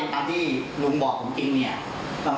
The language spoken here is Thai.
ร้อนรถท้องก็จะมีบทหลัก